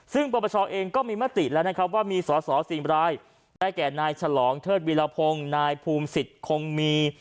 ซึ่งปปชเองก็มีมติแล้วนะครับว่ามีสอสอ๔รายได้แก่นายฉลองเทิดวิรพงศ์นายภูมิสิทธิ์คงมี